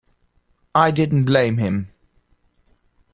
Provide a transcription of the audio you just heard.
I didn’t blame him.